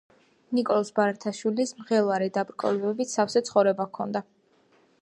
ნიკოლოზ ბარათაშვილს მღელვარე, დაბრკოლებებით სავსე ცხოვრება ჰქონდა